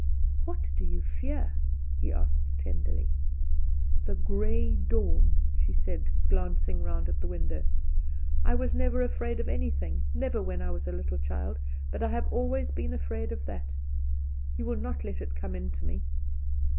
"What do you fear?" he asked, tenderly. "The Grey Dawn," she said, glancing round at the window. "I was never afraid of anything, never, when I was a little child, but I have always been afraid of that. You will not let it come in to me?"